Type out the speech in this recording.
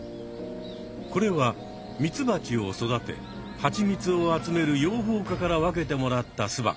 これはミツバチを育てハチミツを集める養蜂家から分けてもらった巣箱。